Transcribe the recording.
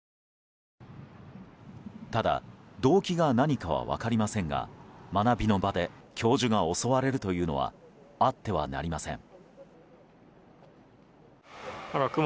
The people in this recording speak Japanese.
ただ動機が何かは分かりませんが学びの場で教授が襲われるというのはあってはなりません。